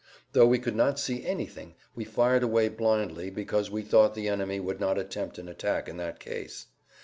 Though we could not see anything we fired away blindly because we thought the enemy would not attempt an attack in that case.